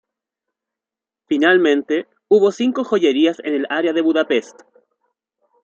Finalmente, hubo cinco joyerías en el área de Budapest.